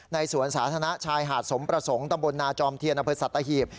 ในสวรรค์สาธารณะชายหาดสมประสงค์ตำบลนาจอมเทียนพฤษัตริย์ตะหีบ